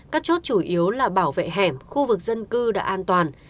các chốt chủ yếu là bảo vệ hẻm khu vực dân cư đã an toàn